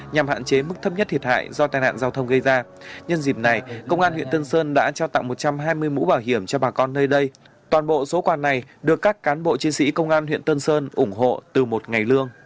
nhằm hạn chế mức thấp nhất thiệt hại do tai nạn giao thông gây ra